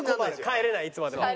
帰れないいつまでも。